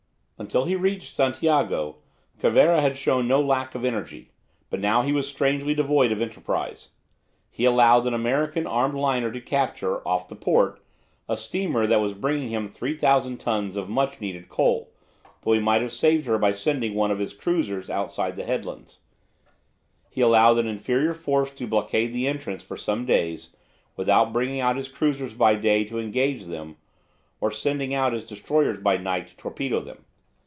Until he reached Santiago Cervera had shown no lack of energy, but now he was strangely devoid of enterprise. He allowed an American armed liner to capture, off the port, a steamer that was bringing him 3000 tons of much needed coal, though he might have saved her by sending one of his cruisers outside the headlands. He allowed an inferior force to blockade the entrance for some days, without bringing out his cruisers by day to engage them, or sending out his destroyers by night to torpedo them.